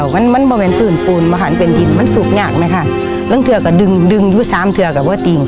มันไม่เป็นปืนปูนมันเป็นดินมันสูบงักไหมคะแล้วเธอก็ดึงดึงอยู่ซ้ำเธอก็ว่าติง